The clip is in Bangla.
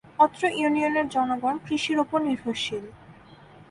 অত্র ইউনিয়নের জনগণ কৃষির উপর নির্ভরশীল।